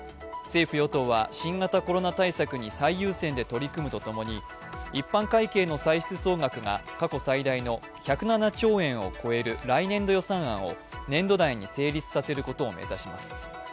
政府・与党は新型コロナ対策に最優先で取り組むと共に一般会計の歳出が過去最大の１０７兆円となる来年度予算案を年度内に成立させることを目指します。